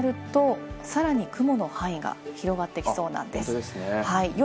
夜になると、さらに雲の範囲が広がってきそうなんですね。